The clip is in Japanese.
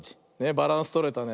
バランスとれたね。